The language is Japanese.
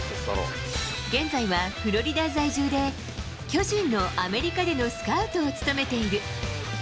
現在はフロリダ在住で、巨人のアメリカでのスカウトを務めている。